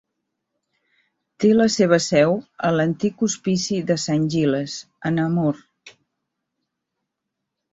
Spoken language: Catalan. Té la seva seu a l'antic hospici de Saint-Gilles, a Namur.